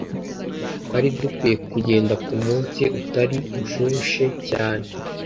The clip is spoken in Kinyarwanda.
Twari dukwiye kugenda kumunsi utari ushushe cyane.